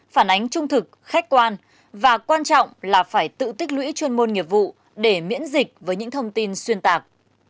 phản ánh trung thực khách quan và quan trọng là phải tự tích lũy chuyên môn nghiệp vụ để miễn dịch với những thông tin xuyên tạc